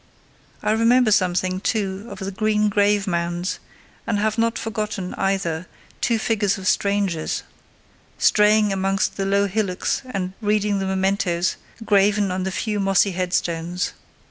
I remember something, too, of the green grave mounds; and I have not forgotten, either, two figures of strangers straying amongst the low hillocks and reading the mementoes graven on the few mossy head stones.